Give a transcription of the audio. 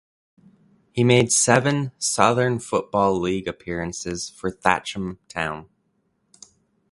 He made seven Southern Football League appearances for Thatcham Town.